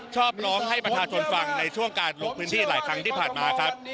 ชอบร้องให้ประชาชนฟังในช่วงการลงพื้นที่หลายครั้งที่ผ่านมาครับ